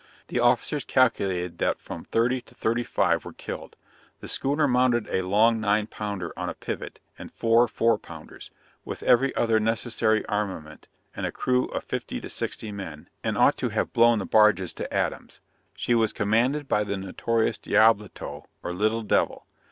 The officers calculated that from 30 to 35 were killed. The schooner mounted a long nine pounder on a pivot, and 4 four pounders, with every other necessary armament, and a crew of 50 to 60 men, and ought to have blown the barges to atoms. She was commanded by the notorious Diableto or Little Devil.